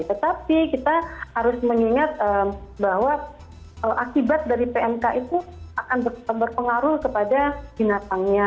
tetapi kita harus mengingat bahwa akibat dari pmk itu akan berpengaruh kepada binatangnya